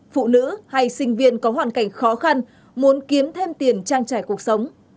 phụ nữ hay sinh viên có hoàn cảnh khó khăn muốn kiếm thêm tiền trang trải cuộc sống